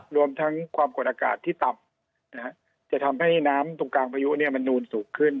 รวมทั้งความกดอากาศที่ต่ำจะทำให้น้ำตรงกลางพายุมันนูนสูงขึ้น